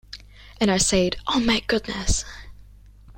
And I said, 'Oh my goodness.